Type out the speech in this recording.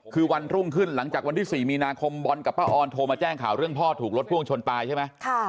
คือวันรุ่งขึ้นหลังจากวันที่๔มีนาคมบอลกับป้าออนโทรมาแจ้งข่าวเรื่องพ่อถูกรถพ่วงชนตายใช่ไหม